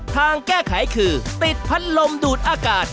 ทางแก้ไขคือติดพัดลมดูดอากาศ